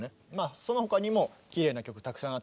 その他にもきれいな曲たくさんあって。